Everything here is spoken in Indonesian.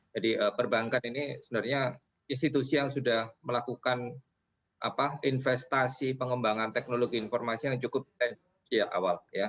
jadi perbankan ini sebenarnya institusi yang sudah melakukan investasi pengembangan teknologi informasi yang cukup awal